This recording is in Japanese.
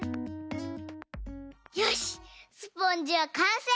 よしスポンジはかんせい！